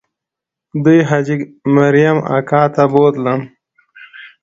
دوی حاجي مریم اکا ته بوتلل.